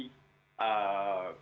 kemudian juga penipuan